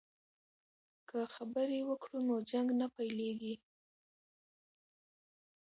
که خبرې وکړو نو جنګ نه پیلیږي.